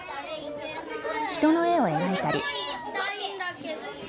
人の絵を描いたり。